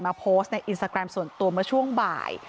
โพสต์ในอินสตาแกรมส่วนตัวเมื่อช่วงบ่าย